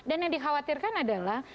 dan yang dikhawatirkan adalah